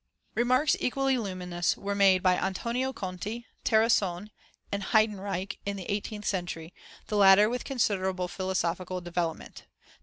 Remarks equally luminous were made by Antonio Conti, Terrasson, and Heydenreich in the eighteenth century, the latter with considerable philosophical development.